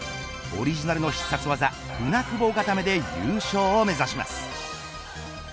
オリジナルの必殺技舟久保固めで優勝を目指します。